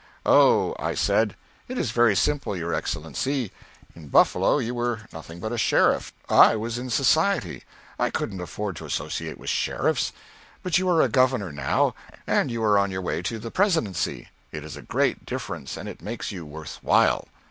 "Oh," I said, "it is very simple, your Excellency. In Buffalo you were nothing but a sheriff. I was in society. I couldn't afford to associate with sheriffs. But you are a Governor now, and you are on your way to the Presidency. It is a great difference, and it makes you worth while."